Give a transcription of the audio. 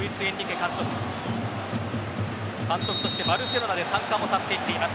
監督としてバルセロナで３冠を達成しています。